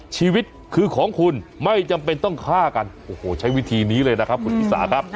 ชีวิตคือของคุณไม่จำเป็นต้องฆ่ากันโอ้โหใช้วิธีนี้เลยนะครับคุณชิสาครับ